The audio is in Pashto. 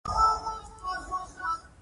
👞 بوټ